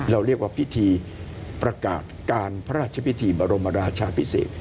เราเรียกว่าพิธีประกาศการพระราชพิธีบรมราชาพิเศษ